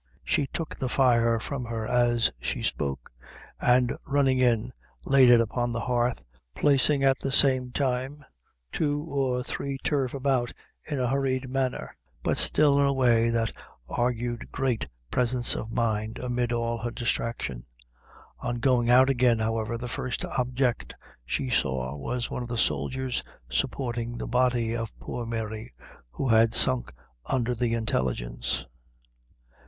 She took the fire from her as she spoke, and, running in, laid it upon the hearth, placing, at the same time, two or three turf about in a hurried manner, but still in a way that argued great presence of mind, amid all her distraction. On going out again, however, the first object she saw was one of the soldiers supporting the body of poor Mary, who had sunk under the intelligence.